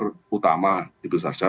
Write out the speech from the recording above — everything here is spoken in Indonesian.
yang utama itu saja